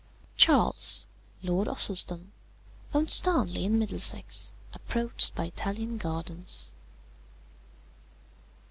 "Charles, Lord Ossulston, owns Darnley in Middlesex, approached by Italian gardens.